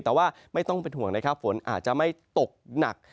แต่ว่าไม่ต้องเป็นห่วงนะครับฝนอาจจะไม่ตกหนัก